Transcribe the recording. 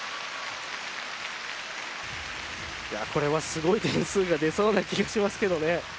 いやこれはすごい点数が出そうな気がしますけどね。